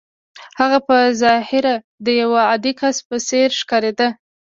هغه په ظاهره د يوه عادي کس په څېر ښکارېده.